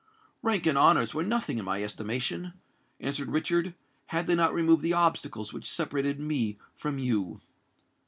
"Rank and honours were nothing in my estimation," answered Richard, "had they not removed the obstacles which separated me from you!"